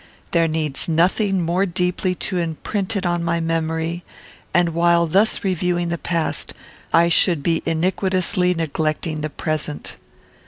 There needs nothing more deeply to imprint it on my memory; and, while thus reviewing the past, I should be iniquitously neglecting the present.